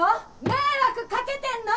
迷惑かけてんの！